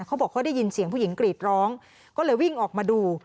เขาบอกเขาได้ยินเสียงผู้หญิงกรีดร้องก็เลยวิ่งออกมาดู